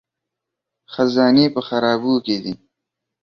خزانې په خرابو کې دي